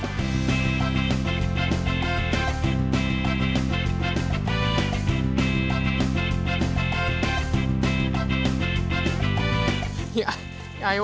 เหี้ยไอว้มาก